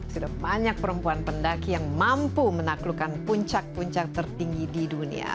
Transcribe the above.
sudah banyak perempuan pendaki yang mampu menaklukkan puncak puncak tertinggi di dunia